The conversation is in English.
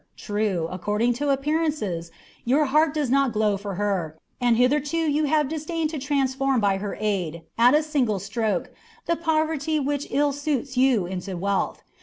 True, according to appearances, your heart does not glow for her, and hitherto you have disdained to transform by her aid, at a single stroke, the poverty which ill suits you into wealth.